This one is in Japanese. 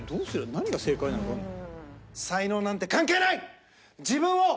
何が正解なのかわかんない。